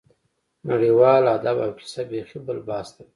نړیوال ادب او کیسه بېخي بل بحث دی.